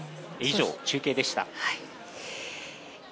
以上、中継でした。